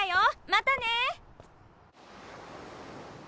またね！